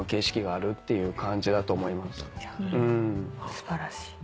素晴らしい。